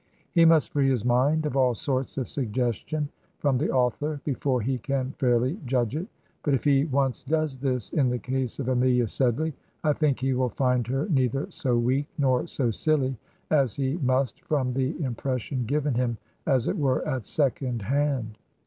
He must free his mind of all sorts of suggestion from the author before he can fairly judge it ; but if he once does this in the case of Amelia Sedley I think he will find her neither so weak nor so silly as he must from the im pression given him, as it were, at second hand.